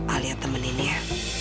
alia temenin ya